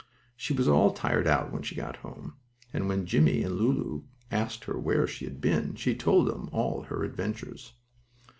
She was all tired out when she got home, and when Jimmie and Lulu asked her where she had been she told them all her adventures.